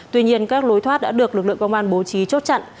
tuy nhiên các lối thoát đã được lực lượng công an bố trí chốt chặn